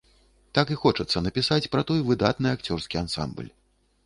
Так і хочацца напісаць пра той выдатны акцёрскі ансамбль.